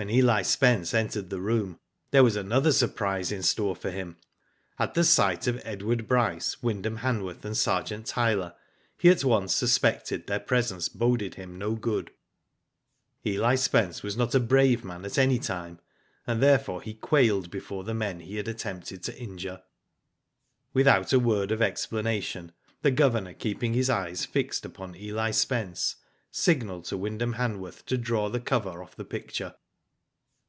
When Eli Spence entered the room, there was another surprise in store for him. At the sight of Edward Bryce, Wyndham Han worth, and Sergeant Tyler, he at once suspected their presence boded him no good. Eli Spence was not a brave man at any time, and therefore he quailed before the men he had attempted to injure. Without a word of explanation, the Governor keeping his eyes fixed upon Eli Spence, signalled to Wyndham Hanworth to draw the cover off the picture.